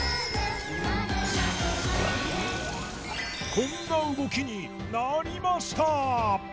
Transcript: こんな動きになりました！